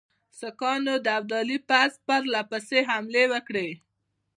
سیکهانو د ابدالي پر پوځ پرله پسې حملې وکړې.